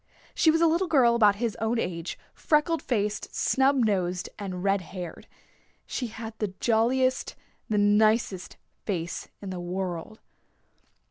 She was a little girl about his own age, freckle faced, snub nosed and red haired. She had the jolliest, the nicest face in the world.